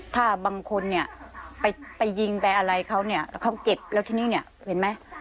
ถ้าบางคนเนี่ยไปยิงไปอะไรเขาเนี่ยแล้วเขาเก็บแล้วทีนี้เนี่ยเห็นไหม